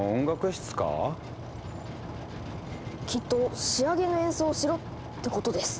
きっと仕上げの演奏をしろってことです。